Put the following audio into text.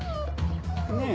ねえ。